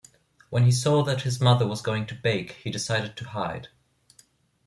When he saw that his mother was going to bake, he decided to hide.